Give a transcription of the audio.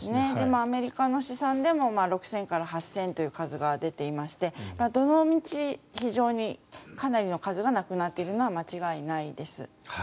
アメリカの試算でも６０００から８０００という数が出ていましてどのみち、非常にかなりの数が亡くなっているのは間違いないです。